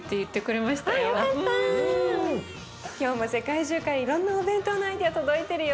今日も世界中からいろんなお弁当のアイデア届いてるよ。